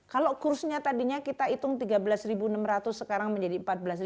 kalau kursnya tadinya kita hitung tiga belas enam ratus sekarang menjadi empat belas lima ratus